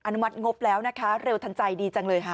อนุมัติงบแล้วนะคะเร็วทันใจดีจังเลยค่ะ